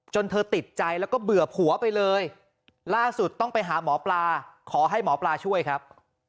เธอติดใจแล้วก็เบื่อผัวไปเลยล่าสุดต้องไปหาหมอปลาขอให้หมอปลาช่วยครับ